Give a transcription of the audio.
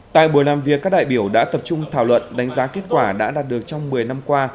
tại buổi làm việc các đại biểu đã tập trung thảo luận đánh giá kết quả đã đạt được trong một mươi năm qua